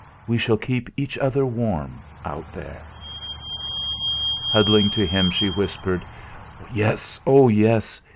We shall keep each other warm, out there." Huddling to him she whispered: "Yes, oh, yes!